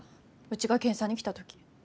うちが検査に来た時。